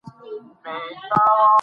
غږ دومره نرم و لکه د پاڼو شرنګ.